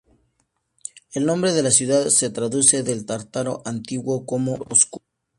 El nombre de la ciudad se traduce del tártaro antiguo como "oscuro".